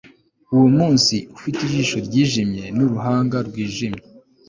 uwo munsi, ufite ijisho ryijimye n'uruhanga rwijimye